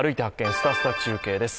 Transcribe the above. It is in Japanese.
すたすた中継」です。